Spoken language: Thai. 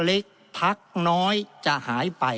ผมจึงกาบเรียนว่าพักเล็กพักน้อยจะหายไป